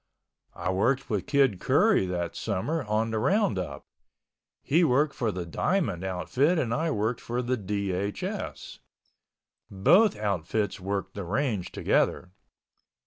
I worked with Kid Curry that summer on the roundup. He worked for the Diamond outfit and I worked for the DHS. Both outfits worked the range together.